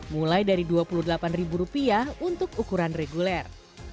mulai dari dua puluh delapan ribu rupiah untuk ukuran reguler